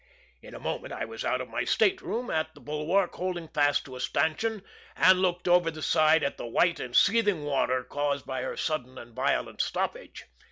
In a moment I was out of my state room, at the bulwark, holding fast to a stanchion, and looking over the side at the white and seething water caused by her sudden and violent stoppage.